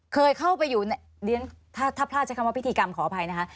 เคยเข้าไปอยู่เรียนถ้าพลาดใช้คำว่าพิธีกรรมขออภัยนะคะ